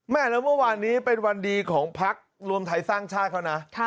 แล้วเมื่อวานนี้เป็นวันดีของพักรวมไทยสร้างชาติเขานะ